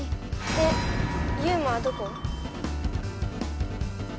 でユウマはどこ？